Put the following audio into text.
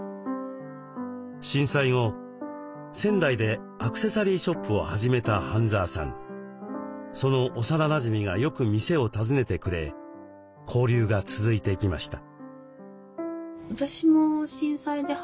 震災後仙台でアクセサリーショップを始めたその幼なじみがよく店を訪ねてくれ交流が続いていきました。